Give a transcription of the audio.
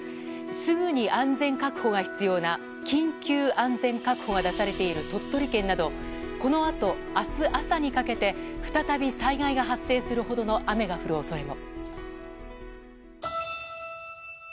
すぐに安全確保が必要な緊急安全確保が出されている鳥取県などこのあと明日朝にかけて再び災害が発生するほどの雨が降る恐れも。